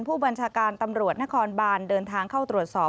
ผู้บัญชาการตำรวจนครบานเดินทางเข้าตรวจสอบ